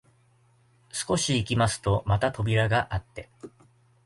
少し行きますとまた扉があって、